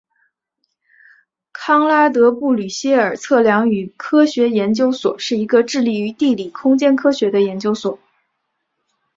康拉德布吕歇尔测量与科学研究所是一个致力于地理空间科学的研究所。